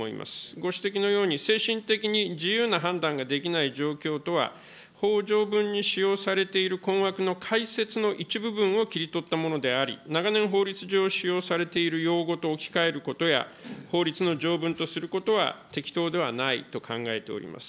ご指摘のように、精神的に自由な判断ができない状況とは、法条文に使用されている困惑の解説の一部分を切り取ったものであり、長年法律上使用されている用語と置き換えることや、法律の条文とすることは適当ではないと考えております。